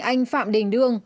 anh phạm đình đương